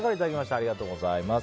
ありがとうございます。